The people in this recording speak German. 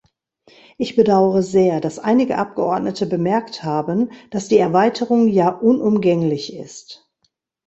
Ich bedaure sehr, dass einige Abgeordnete bemerkt haben, dass die Erweiterung ja unumgänglich ist.